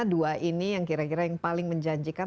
dua ini yang kira kira yang paling menjanjikan